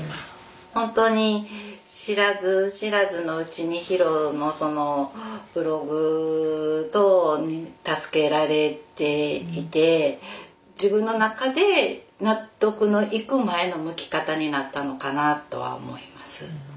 本当に知らず知らずのうちにヒロのそのブログ等に助けられていて自分の中で納得のいく前の向き方になったのかなとは思います。